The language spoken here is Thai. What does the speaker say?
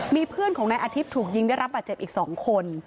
มีเพื่อนของนายอาทิตย์ถูกยิงได้รับบาดเจ็บอีก๒คน